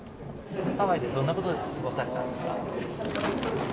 ハワイでどんなことをして過ごされたんですか。